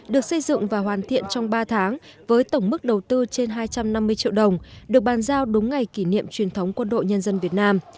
được xây dựng và hoàn thiện trong ba tháng với tổng mức đầu tư trên hai trăm năm mươi triệu đồng được bàn giao đúng ngày kỷ niệm truyền thống quân đội nhân dân việt nam